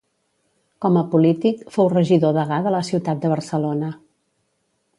Com a polític, fou regidor degà de la ciutat de Barcelona.